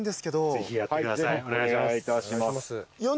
ぜひやってください。